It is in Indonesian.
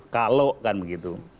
kalau kan begitu